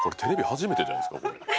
初めてじゃないですか？